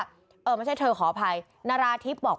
ถ้าพ่อไม่ทำแบบนั้นคือพ่อจะไม่มีรับบายเจ้าให้หนูได้เอง